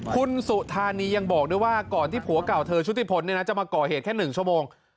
คุณสุธานียังบอกด้วยว่าก่อนที่ผัวเก่าเธอชุติพลจะมาก่อเหตุแค่๑ชั่วโมง